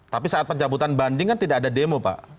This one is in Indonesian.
tapi saat pencabutan banding kan tidak ada demo pak